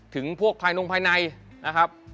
ถึงพวกภายนงภายในนะครับ